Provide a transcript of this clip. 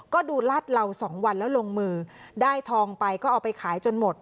ก็ดูลาดเหล่าสองวันแล้วลงมือได้ทองไปก็เอาไปขายจนหมด